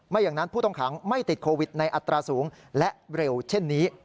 อย่างนั้นผู้ต้องขังไม่ติดโควิดในอัตราสูงและเร็วเช่นนี้